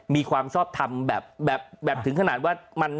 มีความชอบทำแบบถึงขนาดว่า